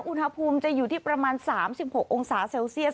อุณหภูมิจะอยู่ที่ประมาณ๓๖องศาเซลเซียส